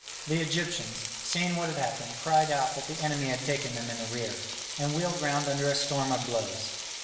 The Egyptians, seeing what had happened, cried out that the enemy had taken them in the rear, and wheeled round under a storm of blows.